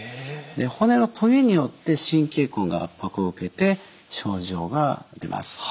骨のトゲによって神経根が圧迫を受けて症状が出ます。